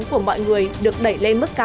của mọi người được đẩy lên mức